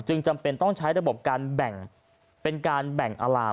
จำเป็นต้องใช้ระบบการแบ่งเป็นการแบ่งอาราม